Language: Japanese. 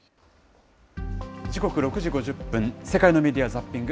時刻６時５０分、世界のメディア・ザッピング。